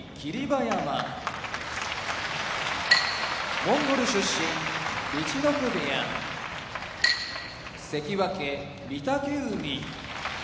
馬山モンゴル出身陸奥部屋関脇・御嶽海